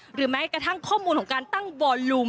หรือแม้กระทั่งข้อมูลของการตั้งวอนลุม